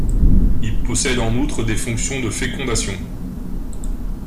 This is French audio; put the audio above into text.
Il possède en outre des fonctions de fécondation.